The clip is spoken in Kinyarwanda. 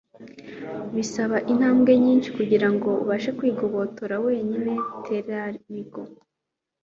bisaba intambwe nyinshi kugirango ubashe kwigobotora wenyine - tere arigo